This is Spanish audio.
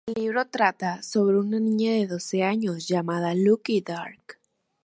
El libro trata sobre una niña de doce años, llamada Lucy Dark.